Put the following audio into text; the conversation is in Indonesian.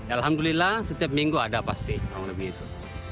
alhamdulillah setiap minggu ada pasti kurang lebih itu